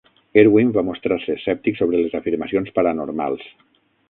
Irwin va mostrar-se escèptic sobre les afirmacions paranormals.